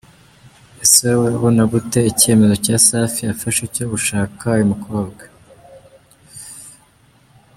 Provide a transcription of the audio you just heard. Ese wowe urabona gute icyemezo cya Safi yafashe cyo gushaka uyu mukobwa?.